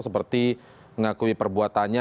seperti mengakui perbuatannya